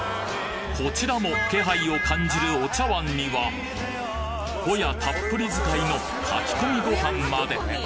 こちらも気配を感じるお茶碗にはホヤたっぷり使いの炊き込みご飯まで！